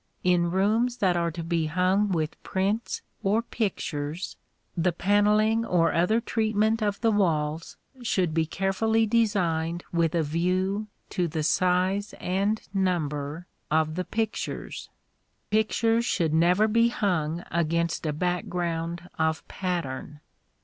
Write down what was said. In rooms that are to be hung with prints or pictures, the panelling or other treatment of the walls should be carefully designed with a view to the size and number of the pictures. Pictures should never be hung against a background of pattern.